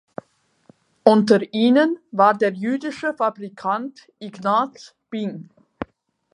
Unter ihnen war der jüdische Fabrikant Ignaz Bing.